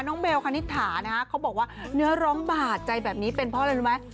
เบลคณิตถานะฮะเขาบอกว่าเนื้อร้องบาดใจแบบนี้เป็นเพราะอะไรรู้ไหม